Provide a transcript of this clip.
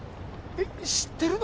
えっ知ってるの？